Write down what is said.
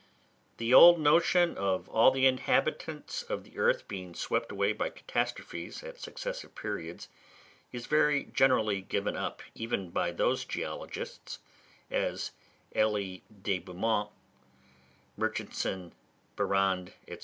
The old notion of all the inhabitants of the earth having been swept away by catastrophes at successive periods is very generally given up, even by those geologists, as Elie de Beaumont, Murchison, Barrande, &c.